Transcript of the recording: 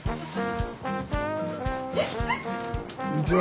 こんにちは。